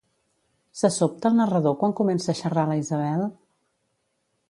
Se sobta el narrador quan comença a xerrar la Isabel?